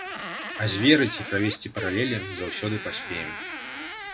А зверыць і правесці паралелі заўсёды паспеем.